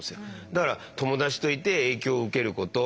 だから友達といて影響を受けること。